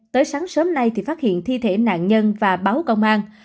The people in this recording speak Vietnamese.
tới sáng sớm nay thì phát hiện thi thể nạn nhân và báo công an